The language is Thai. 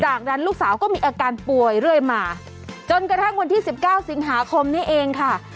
จากนั้นลูกสาวก็มีอาการป่วยเรื่อยมาจนกระทั่งวันที่๑๙สิงหาคมนี้เองค่ะ